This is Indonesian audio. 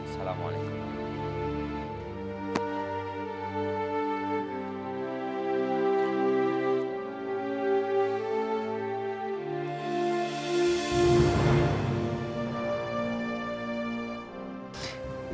jadi saya tidak tahu